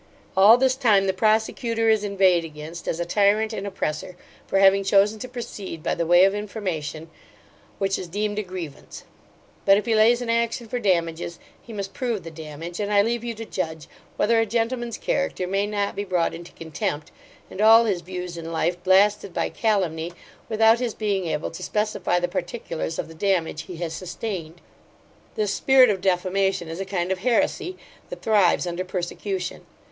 All this time the prosecutor is inveighed against as a tyrant and oppressor, for having chosen to proceed by the way of information, which is deemed a grievance; but if he lays an action for damages, he must prove the damage, and I leave you to judge, whether a gentleman's character may not be brought into contempt, and all his views in life blasted by calumny, without his being able to specify the particulars of the damage he has sustained. 'This spirit of defamation is a kind of heresy, that thrives under persecution.